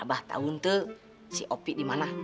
abah tau ntuh si opik dimana